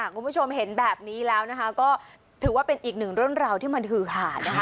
คุณผู้ชมเห็นแบบนี้แล้วนะคะก็ถือว่าเป็นอีกหนึ่งเรื่องราวที่มันฮือหาดนะคะ